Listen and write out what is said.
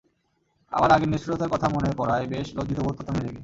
আমার আগের নিষ্ঠুরতার কথা মনে পড়ায় বেশ লজ্জিত বোধ করতাম নিজেকে।